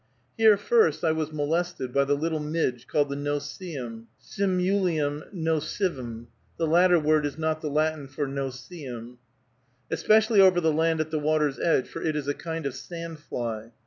Here first I was molested by the little midge called the no see em (Simulium nocivum, the latter word is not the Latin for no see em), especially over the sand at the water's edge, for it is a kind of sand fly.